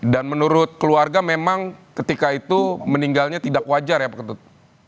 dan menurut keluarga memang ketika itu meninggalnya tidak wajar ya pak ketut